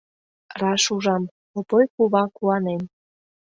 Раш ужам: Опой кува куанен.